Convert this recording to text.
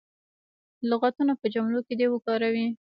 لغتونه په جملو کې دې وکاروي.